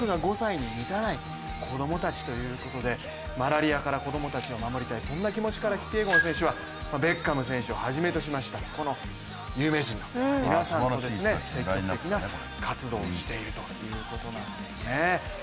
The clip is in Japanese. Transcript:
その多くが５歳に満たない子供たちということでマラリアから子供たちを守りたいそんな気持ちからキピエゴン選手はベッカム選手をはじめとしたこの有名人の皆さんと積極的な活動をしているということなんですね。